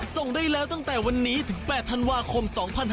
ส่งได้แล้วตั้งแต่วันนี้ถึง๘ธันวาคม๒๕๖๒